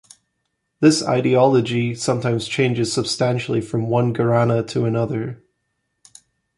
This ideology sometimes changes substantially from one gharana to another.